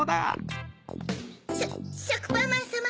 しょくぱんまんさま